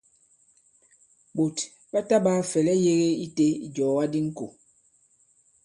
Ɓòt ɓa taɓāa fɛ̀lɛ yēge i tē ìjɔ̀ga di ŋkò.